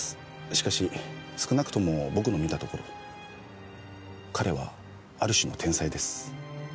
しかし少なくとも僕の見たところ彼はある種の天才です。